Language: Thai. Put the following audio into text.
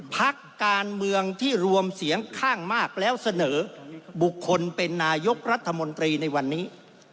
พักการเมืองที่รวมเสียงข้างมากแล้วเสนอบุคคลเป็นนายกรัฐมนตรีในวันนี้